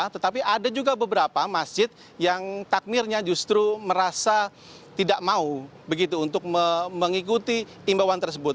tetapi ada juga beberapa masjid yang takmirnya justru merasa tidak mau begitu untuk mengikuti imbauan tersebut